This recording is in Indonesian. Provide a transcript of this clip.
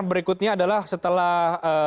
berikutnya adalah setelah